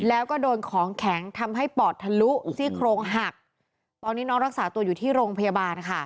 แล้วก็โดนของแข็งทำให้ปอดทะลุซี่โครงหักตอนนี้น้องรักษาตัวอยู่ที่โรงพยาบาลค่ะ